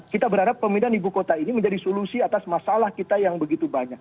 kita berharap pemindahan ibu kota ini menjadi solusi atas masalah kita yang begitu banyak